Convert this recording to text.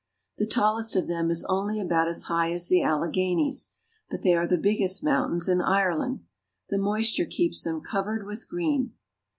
The tallest of them is only about as high as the Alleghenies, but they are the biggest mountains in Ireland. The moisture keeps them covered with green.